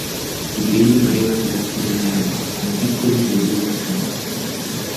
I grilli pareva segassero l'erba con piccole seghe di argento.